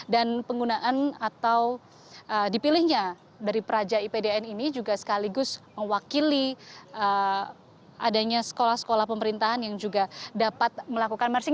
dan penggunaan atau dipilihnya dari peraja ipdn ini juga sekaligus mewakili adanya sekolah sekolah pemerintahan yang juga dapat melakukan marching